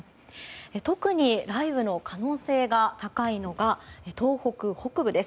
特に雷雨の可能性が高いのが東北北部です。